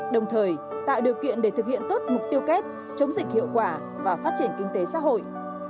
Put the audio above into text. đồng thời tạo điều kiện để thực hiện tốt mục tiêu kép chống dịch hiệu quả và phát triển kinh tế xã hội